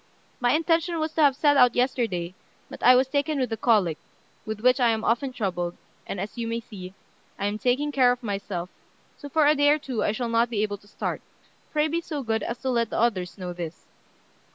My intention was to have set out yesterday; but I was taken with a cholic, with which I am often troubled, and, as you may see, I am taking care of myself; so for a day or two I shall not be able to start. Pray be so good as to let the others know this."